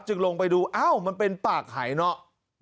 ลงไปดูอ้าวมันเป็นปากหายเนาะ